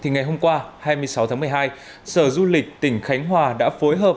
ngày hôm qua hai mươi sáu tháng một mươi hai sở du lịch tỉnh khánh hòa đã phối hợp